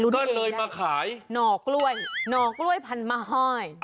ก็เลยมาขายหน่อกล้วยหน่อกล้วยพันมาห้อย